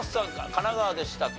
神奈川でしたっけ？